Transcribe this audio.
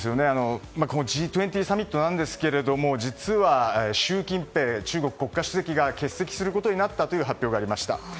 Ｇ２０サミットなんですけども実は習近平中国国家主席が欠席することになったという発表がありました。